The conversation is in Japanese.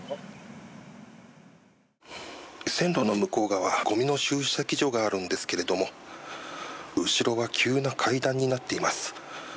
線路の向こう側にごみの集積所があるんですが後ろは急な階段になっています。